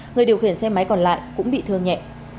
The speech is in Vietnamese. người điều khiển xe máy còn lại cũng bị thương nhẹ